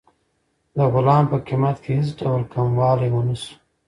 د غلام په قیمت کې هېڅ ډول کموالی ونه شو.